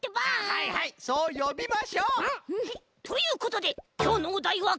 はいはいそうよびましょう。ということできょうのおだいはこれ！